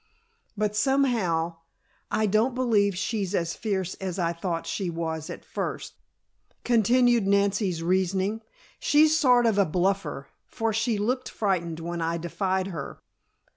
"But somehow I don't believe she's as fierce as I thought she was at first," continued Nancy's reasoning. "She's sort of a bluffer, for she looked frightened when I defied her."